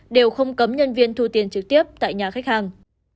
đều không cấm nhân viên thu tiền trực tiếp tại nhà khách hàng